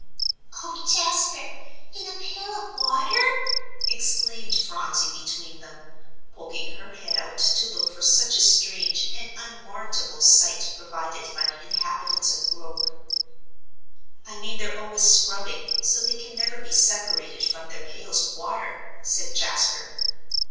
"Oh, Jasper, in a pail of water!" exclaimed Phronsie, between them, poking her head out to look for such a strange and unwarrantable sight provided by the inhabitants of Broek. "I mean they're always scrubbing, so they can never be separated from their pails of water," said Jasper.